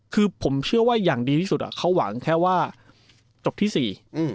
คือผมเชื่อว่าอย่างดีที่สุดเขาหวังแค่ว่าจบที่สี่